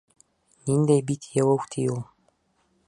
Ниндәй бит йыуыу ти ул!